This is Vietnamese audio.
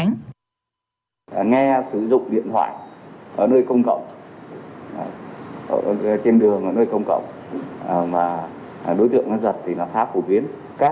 nghe sử dụng điện thoại ở nơi công cộng trên đường ở nơi công cộng đối tượng giật thì khá phổ biến